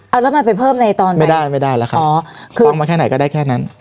เอาแล้วมันไปเพิ่มในตอนนี้ไม่ได้ไม่ได้แล้วครับอ๋อคือเอามาแค่ไหนก็ได้แค่นั้น